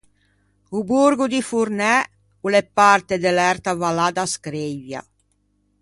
O Borgo di Fornæ o l'é parte de l'erta vallâ da Screivia.